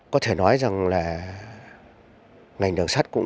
có thể nói rằng là ngành đường sắt cũng